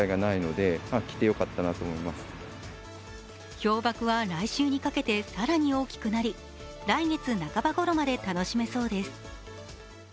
氷ばくは来週にかけて更に大きくなり来月半ばごろまで楽しめそうです。